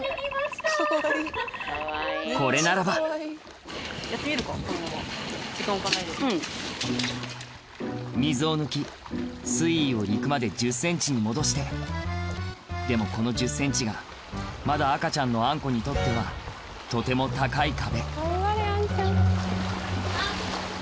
これならば水を抜き水位を陸まで１０ｃｍに戻してでもこの１０ｃｍがまだ赤ちゃんのあん子にとってはとても高い壁